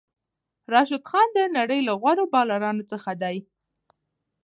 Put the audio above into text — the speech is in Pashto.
راشد خان د نړۍ له غوره بالرانو څخه دئ.